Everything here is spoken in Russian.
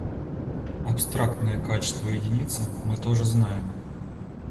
Абстрактное качество единицы мы тоже знаем.